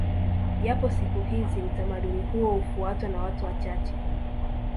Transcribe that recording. Japo siku hizi utamaduni huo hufuatwa na watu wachache